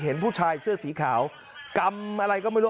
เห็นผู้ชายเสื้อสีขาวกำอะไรก็ไม่รู้